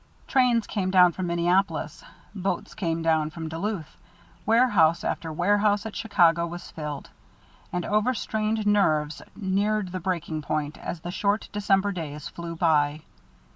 Trains came down from Minneapolis, boats came down from Duluth, warehouse after warehouse at Chicago was filled; and over strained nerves neared the breaking point as the short December days flew by.